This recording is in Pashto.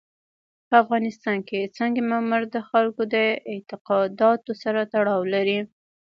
په افغانستان کې سنگ مرمر د خلکو د اعتقاداتو سره تړاو لري.